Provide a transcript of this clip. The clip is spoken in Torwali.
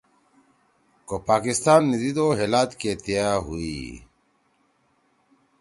کو پاکستان نی دیِدو ہے لات کے تیا ہوئی“